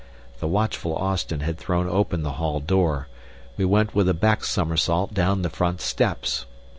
The watchful Austin had thrown open the hall door. We went with a back somersault down the front steps.